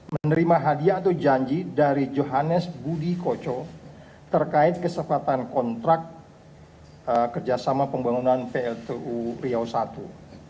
menerima hadiah atau janji dari johannes budi koco terkait kesempatan kontrak kerjasama pembangunan pltu riau i